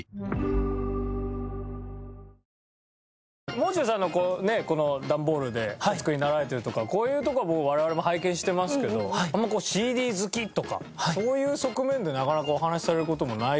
もう中さんのこのねこの段ボールでお作りになられているとかこういうとこはもう我々も拝見してますけどあんまりこうＣＤ好きとかそういう側面ってなかなかお話しされる事もないと。